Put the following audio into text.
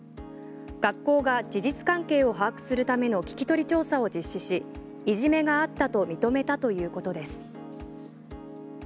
学校が事実関係を把握するための聞き取り調査を実施しいじめがあったと認めたということです。